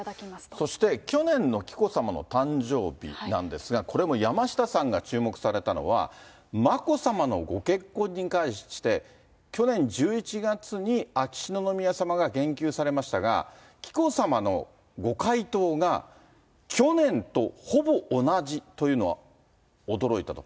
そして、去年の紀子さまの誕生日なんですが、これも山下さんが注目されたのは、眞子さまのご結婚に関して、去年１１月に、秋篠宮さまが言及されましたが、紀子さまのご回答が、去年とほぼ同じというのは驚いたと。